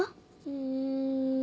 うん。